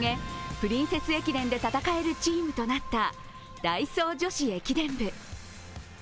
プリンセス駅伝で戦えるチームとなったダイソー女子駅伝部。